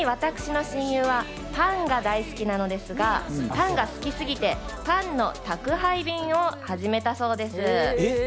ちなみに私の親友はパンが大好きなのですが、パンが好きすぎてパンの宅配便を始めたそうです。